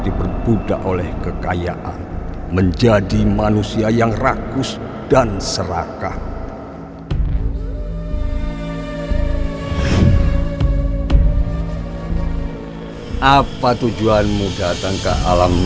diperbudak oleh kekayaan menjadi manusia yang rakus dan serakah apa tujuanmu datang ke alam